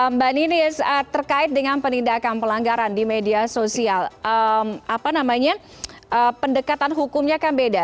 mbak ninis terkait dengan penindakan pelanggaran di media sosial apa namanya pendekatan hukumnya kan beda